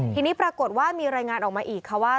ทีนี้ปรากฏว่ามีรายงานออกมาอีกค่ะว่า